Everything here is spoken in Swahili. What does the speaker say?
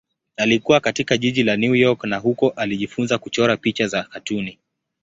Alikua katika jiji la New York na huko alijifunza kuchora picha za katuni.